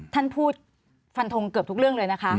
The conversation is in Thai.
ท่านพูดฟันทงเกือบทุกเรื่องเลยนะคะ